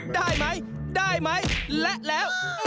ได้ไหมได้ไหมและแล้ว